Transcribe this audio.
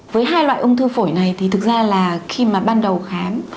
với hai loại ung thư phổi này thì thực ra là khi mà ban đầu khám